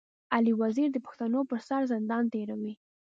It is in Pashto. علي وزير د پښتنو پر سر زندان تېروي.